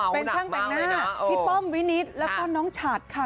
เป็นช่างแต่งหน้าพี่ป้อมวินิตแล้วก็น้องฉัดค่ะ